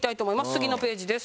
次のページです。